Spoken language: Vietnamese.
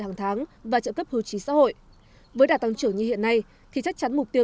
hàng tháng và trợ cấp hưu trí xã hội với đạt tăng trưởng như hiện nay thì chắc chắn mục tiêu